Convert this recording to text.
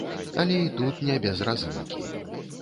Але і тут не без разынкі.